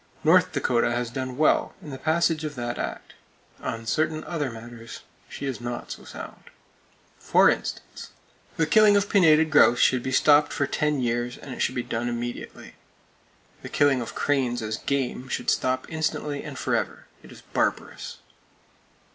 North Dakota has done well, in the passage of that act. On certain other matters, she is not so sound. For instance: The killing of pinnated grouse should be stopped for ten years; and it should be done immediately. The killing of cranes as "game" should stop, instantly and forever. It is barbarous.